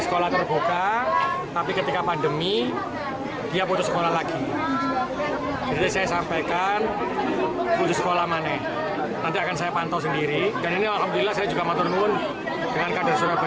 model ib propia tapi ketika fate mi dia putus sekolah lagi saya sampaikan putus sekolah mana